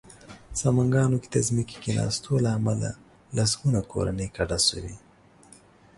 سمنګانو کې د ځمکې کېناستو له امله لسګونه کورنۍ کډه شوې